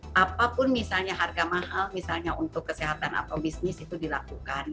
jadi apapun misalnya harga mahal misalnya untuk kesehatan atau bisnis itu dilakukan